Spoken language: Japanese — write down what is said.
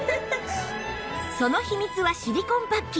その秘密はシリコンパッキン